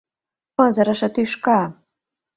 Пызырыше тӱшка!